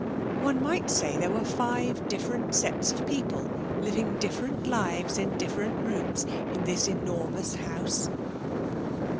One might say there were five different sets of people living different lives in different rooms, in this enormous house.